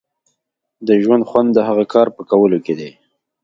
د ژوند خوند د هغه کار په کولو کې دی.